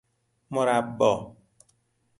مربا